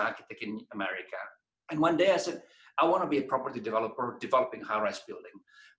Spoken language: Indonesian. dan suatu hari saya berkata saya ingin menjadi pengembang sebuah perumahan yang mengembangkan bangunan tinggi tinggi